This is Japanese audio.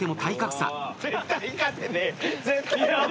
絶対勝てねえ。